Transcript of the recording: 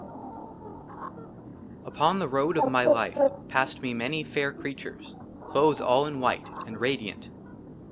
65 LX UPON THE ROAD OF MY LIFE, PASSED ME MANY FAIR CREATURES, CLOTHED ALL IN WHITE, AND RADIANT.